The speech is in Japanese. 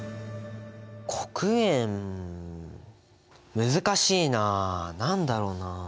黒鉛難しいなあ何だろうなあ？